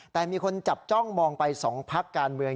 แต่มีคนจับจ้องมองไป๒พักการเมือง